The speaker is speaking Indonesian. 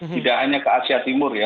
tidak hanya ke asia timur ya